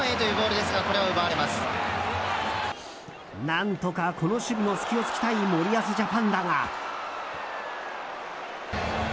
何とか、この守備の隙を突きたい森保ジャパンだが。